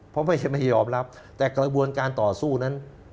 เพราะไม่ใช่ไม่ยอมรับแต่กระบวนการต่อสู้นั้น